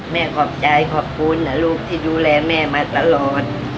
ขอบใจขอบคุณนะลูกที่ดูแลแม่มาตลอด